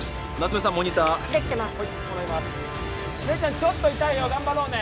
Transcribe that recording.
ちょっと痛いよ頑張ろうね！